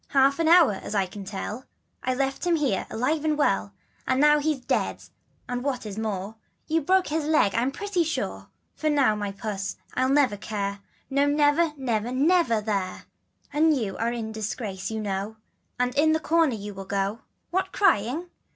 An hour ago, as you can tell, I left him here, alive and well; And now he's dead and, what is more, You've broke his leg I'm pretty sure. For you my puss I'll never care, No never, never, never, Mere, And you are in disgrace you know, And in the corner you must go. What crying?